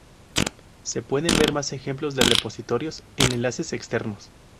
Se pueden ver más ejemplos de repositorios en Enlaces externos.